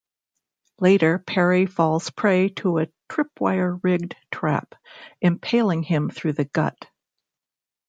Later, Perry falls prey to a tripwire-rigged trap, impaling him through the gut.